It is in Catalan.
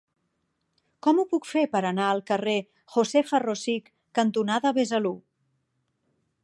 Com ho puc fer per anar al carrer Josefa Rosich cantonada Besalú?